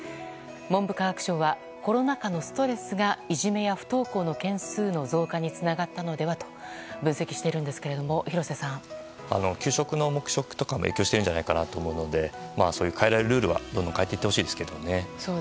文部科学省はコロナ禍のストレスがいじめや不登校の件数の増加につながったのではと分析しているんですが給食の黙食とかも影響しているんじゃないかと思うのでそういう変えられるルールはどんどん変えていってほしいですけど。